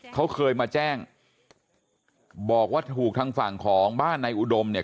เขาเคยมาแจ้งบอกว่าถูกทางฝั่งของบ้านนายอุดมเนี่ย